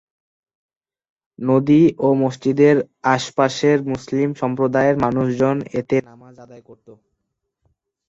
নদী ও মসজিদের আশপাশের মুসলিম সম্প্রদায়ের মানুষজন এতে নামাজ আদায় করতো।